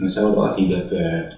sau đó thì được